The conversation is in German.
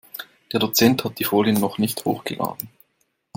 Der Dozent hat die Folien noch nicht hochgeladen.